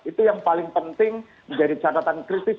itu yang paling penting menjadi catatan kritis